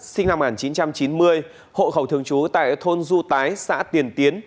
sinh năm một nghìn chín trăm chín mươi hộ khẩu thường trú tại thôn du tái xã tiền tiến